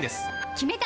決めた！